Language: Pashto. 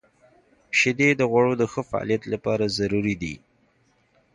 • شیدې د غړو د ښه فعالیت لپاره ضروري دي.